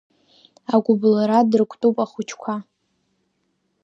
Агәыблра дырктәуп ахәыҷқәа.